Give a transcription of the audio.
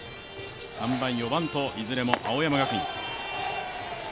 ３番・４番といずれも青山学院。